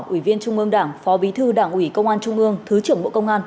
ủy viên trung ương đảng phó bí thư đảng ủy công an trung ương thứ trưởng bộ công an